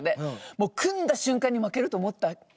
もう組んだ瞬間に負けると思ったんだって。